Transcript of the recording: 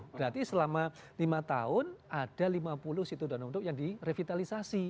berarti selama lima tahun ada lima puluh situ danau untuk yang direvitalisasi